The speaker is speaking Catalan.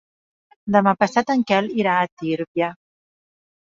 Demà passat en Quel irà a Tírvia.